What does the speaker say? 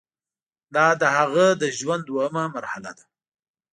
دا د هغه د ژوند دوهمه مرحله ده.